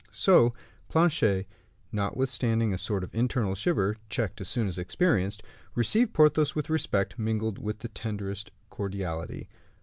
So Planchet, notwithstanding a sort of internal shiver, checked as soon as experienced, received Porthos with respect, mingled with the tenderest cordiality.